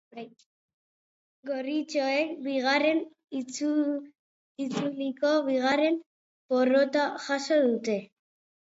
Gorritxoek bigarren itzuliko bigarren porrota jaso dute.